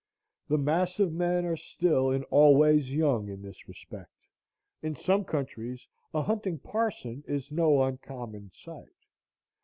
The mass of men are still and always young in this respect. In some countries a hunting parson is no uncommon sight.